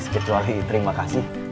sekitulah terima kasih